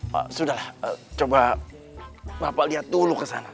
pak sudah lah coba bapak liat dulu kesana